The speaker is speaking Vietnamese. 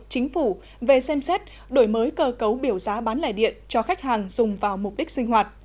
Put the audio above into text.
chính phủ về xem xét đổi mới cơ cấu biểu giá bán lẻ điện cho khách hàng dùng vào mục đích sinh hoạt